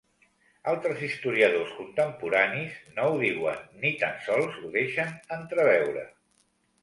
Altres historiadors contemporanis no ho diuen ni tan sols ho deixen entreveure.